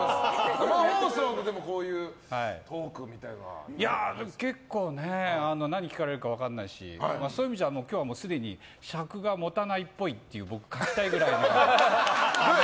生放送で、こういうトーク何聞かれるか分かんないしそういう意味じゃ今日はすでに尺がもたないっぽいって書きたいぐらいの。